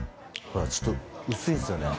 ほら、ちょっと薄いんですよね。